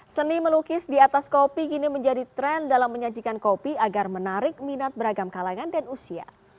seni melukis di atas kopi kini menjadi tren dalam menyajikan kopi agar menarik minat beragam kalangan dan usia